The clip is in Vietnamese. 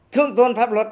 thương tôn pháp luật